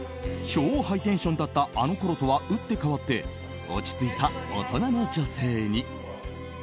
超ハイテンションだったあのころとは打って変わって落ち着いた大人の女性に。